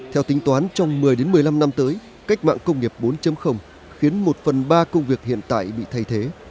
theo tính toán trong một mươi một mươi năm năm tới cách mạng công nghiệp bốn khiến một phần ba công việc hiện tại bị thay thế